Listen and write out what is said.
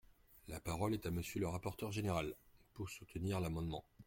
La parole est à Monsieur le rapporteur général, pour soutenir l’amendement.